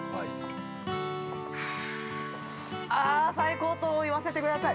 ◆あ最高と言わせてください。